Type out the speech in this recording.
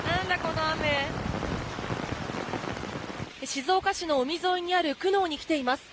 静岡市の海沿いにある久能に来ています。